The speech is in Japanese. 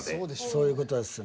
そういう事ですね。